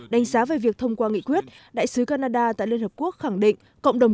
đánh giá về việc thông qua nghị quyết đại sứ canada tại liên hợp quốc khẳng định cộng đồng